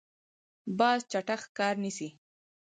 باز چټک ښکار نیسي.